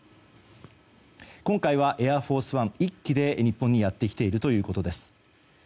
今回は「エアフォースワン」１機で日本にやってきているということです。